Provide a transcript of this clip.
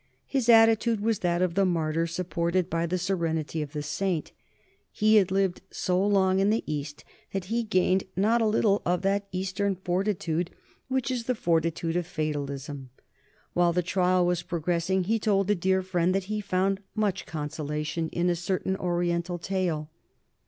His attitude was that of the martyr supported by the serenity of the saint. He had lived so long in the East that he gained not a little of that Eastern fortitude which is the fortitude of fatalism. While the trial was progressing he told a dear friend that he found much consolation in a certain Oriental tale.